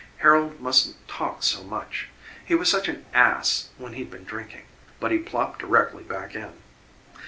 Harold mustn't talk so much. He was such an ASS when he'd been drinking. But he plopped directly back in.